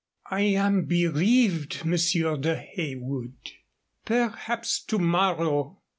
"I am bereaved, Monsieur de Heywood. Perhaps to morrow."